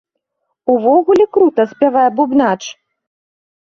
Увогуле крута спявае бубнач!